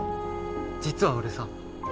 実は俺さ。